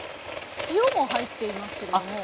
塩も入っていますけれども。